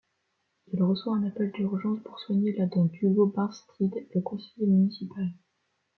Il reçoit un appel d'urgence pour soigner la dent d'Hugo Barnstead, le conseiller municipal.